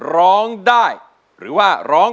ร้องได้ให้ร้อง